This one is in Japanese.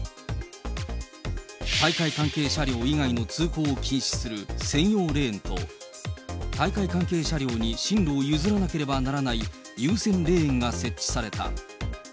大会関係車両以外の通行を禁止する専用レーンと、大会関係車両に進路を譲らなければならない優先レーンが設置された。